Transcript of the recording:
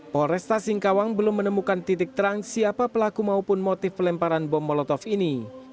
polresta singkawang belum menemukan titik terang siapa pelaku maupun motif pelemparan bom molotov ini